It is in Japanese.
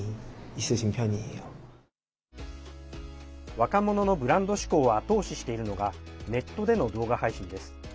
若者のブランド志向を後押ししているのがネットでの動画配信です。